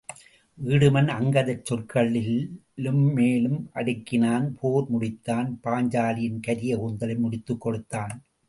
வீடுமன் அங்கதச் சொற்களில் மேலும் அடுக்கினான் போர் முடித்தான் பாஞ்சாலியின் கரிய கூந்தலை முடித்துக் கொடுத்தான்.